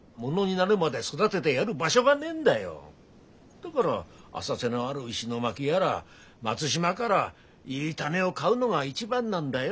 だがら浅瀬のある石巻やら松島からいいタネを買うのが一番なんだよ。